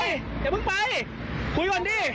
อย่าเพิ่งไปคุยก่อนดิ